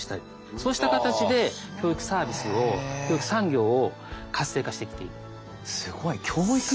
そうした形で教育サービスを教育産業を活性化してきている。